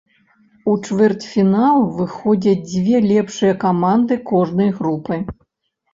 У чвэрцьфінал выходзяць дзве лепшыя каманды кожнай групы.